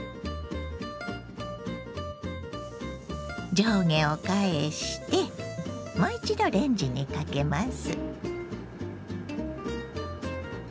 上下を返してもう一度レンジにかけます。